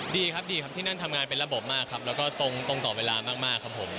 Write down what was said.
ดีครับดีครับที่นั่นทำงานเป็นระบบมากครับแล้วก็ตรงต่อเวลามากครับผม